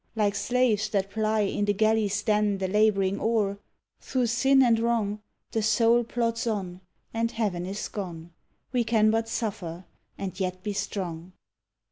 Like slaves that ply in the galley's den the laboring oar, through sin and wrong, The soul plods on, and heaven is gone; we can but suffer and yet be strong.